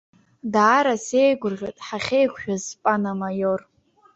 Даара сеигәырӷьоит ҳахьеиқәшәаз, пан амаиор!